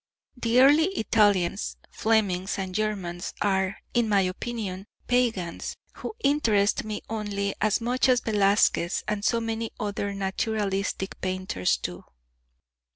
The early Italians, Flemings and Germans are, in my opinion, pagans, who interest me only as much as Velasquez and so many other naturalistic painters do.